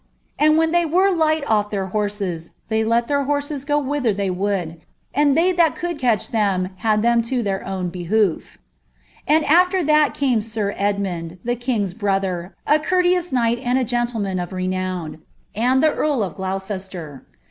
And wheit ihev were lijjhl US' their horses, Ihcy let their horm go whither they woulcf, and they that could catch them had them to their own behoof And afier that came sir Edmund, the kind's brother, a courteous knight and a gentleman of renown, and the earl of Glnuces ter.